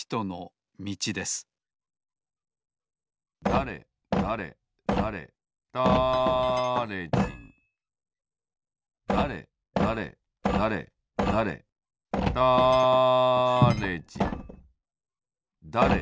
だれだれだれだれだれじんだれだれ